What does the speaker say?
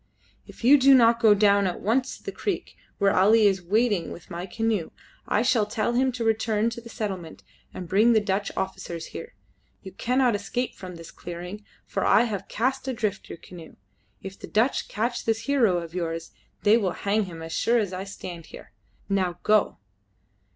If you do not go down at once to the creek, where Ali is waiting with my canoe, I shall tell him to return to the settlement and bring the Dutch officers here. You cannot escape from this clearing, for I have cast adrift your canoe. If the Dutch catch this hero of yours they will hang him as sure as I stand here. Now go."